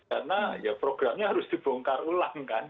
karena ya programnya harus dibongkar ulang kan